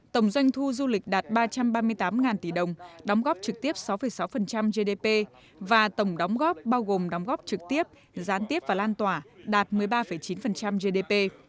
tổng doanh thu du lịch đạt ba trăm ba mươi tám tỷ đồng đóng góp trực tiếp sáu sáu gdp và tổng đóng góp bao gồm đóng góp trực tiếp gián tiếp và lan tỏa đạt một mươi ba chín gdp